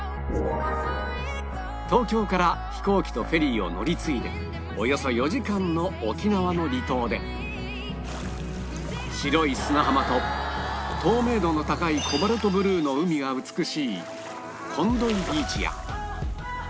東京から飛行機とフェリーを乗り継いでおよそ４時間の沖縄の離島で白い砂浜と透明度の高いコバルトブルーの海が美しいコンドイビーチや